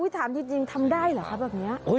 ถามจริงทำได้เหรอคะแบบนี้